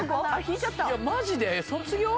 「マジで卒業？」